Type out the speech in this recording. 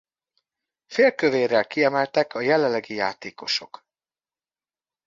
Félkövérrel kiemeltek a jelenlegi játékosok.